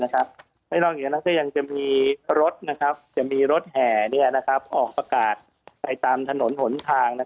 ก็ยังมีรถแห่ออกประกาศไปตามถนนหนทาง